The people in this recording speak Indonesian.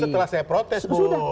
itu setelah saya protes bung